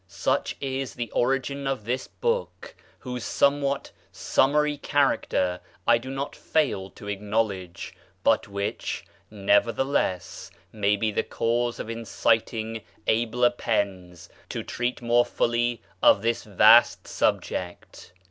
Such is the origin of this book, whose somewhat summary character I do not fail to acknowledge, but which, neverthe less, may be the cause of inciting abler pens to treat more fully of this vast subject.